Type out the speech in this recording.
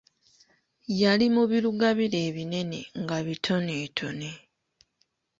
Yali mu birugabire ebinene nga bitoneetone.